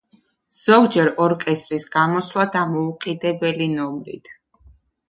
ზოგჯერ ორკესტრის გამოსვლა დამოუკიდებელი ნომრით.